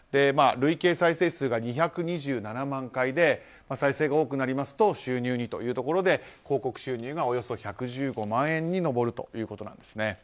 累計再生数が２２７万回で再生が多くなりますと収入にというところで広告収入がおよそ１１５万円に上るということなんですね。